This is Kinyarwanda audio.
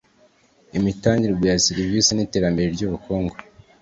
imitangirwe ya serivisi n’iterambere ry’ubukungu